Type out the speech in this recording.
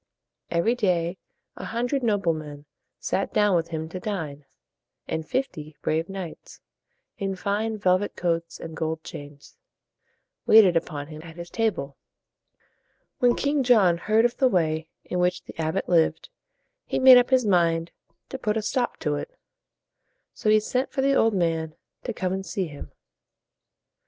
Every day a hundred noble men sat down with him to dine; and fifty brave knights, in fine velvet coats and gold chains, waited upon him at his table. When King John heard of the way in which the abbot lived, he made up his mind to put a stop to it. So he sent for the old man to come and see him.